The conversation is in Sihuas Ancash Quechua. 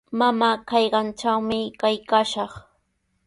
Mamaa kanqantrawmi kaykaashaq.